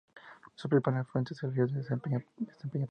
Su principal afluente es el río Despeñaperros.